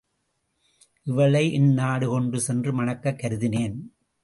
இவளை என் நாடு கொண்டு சென்று மணக்கக் கருதினேன்.